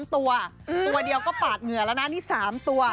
ตัวตัวเดียวก็ปาดเหงื่อแล้วนะนี่๓ตัว